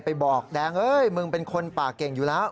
ไปบอกแดงเฮ้ยมึงเป็นคนปากเก่งอยู่แล้ว